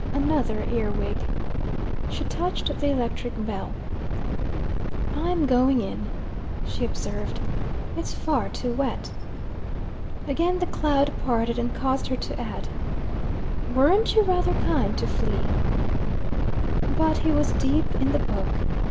Another earwig. She touched the electric bell. "I'm going in," she observed. "It's far too wet." Again the cloud parted and caused her to add, "Weren't you rather kind to Flea?" But he was deep in the book.